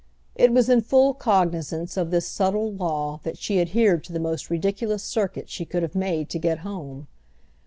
It was in full cognisance of this subtle law that she adhered to the most ridiculous circuit she could have made to get home.